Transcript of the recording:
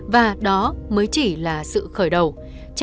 và đó mới chỉ là sự đáng sợ